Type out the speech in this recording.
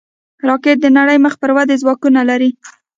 راکټ د نړۍ مخ پر ودې ځواکونه لري